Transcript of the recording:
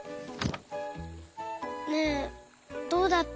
ねえどうだった？